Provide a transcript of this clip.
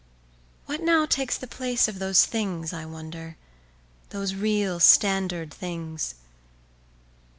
What now takes the place of those things I wonder, those real standard things?